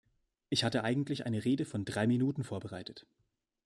Ich hatte eigentlich eine Rede von drei Minuten vorbereitet.